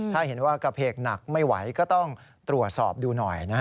ถ้าเห็นว่ากระเพกหนักไม่ไหวก็ต้องตรวจสอบดูหน่อยนะฮะ